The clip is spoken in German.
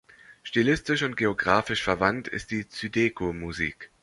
Stilistisch und geographisch verwandt ist die Zydeco-Musik.